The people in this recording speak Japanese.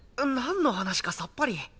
何の話かさっぱり。